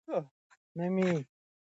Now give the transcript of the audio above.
نه مي پل سي څوک په لاره کي میندلای